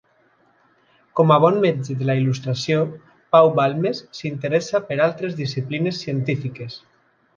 Com a bon metge de la Il·lustració, Pau Balmes s’interessa per altres disciplines científiques.